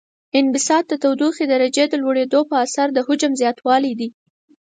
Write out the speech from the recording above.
انبساط د تودوخې درجې د لوړیدو په اثر د حجم زیاتوالی دی.